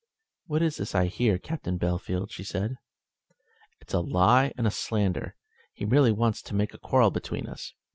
"What is this I hear, Captain Bellfield?" she said. "It's a lie and a slander. He merely wants to make a quarrel between us.